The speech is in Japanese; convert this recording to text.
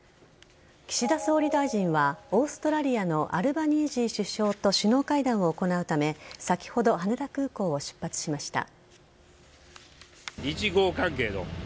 岸田総理大臣はオーストラリアのアルバニージー首相と首脳会談を行うため先ほど、羽田空港を出発しました。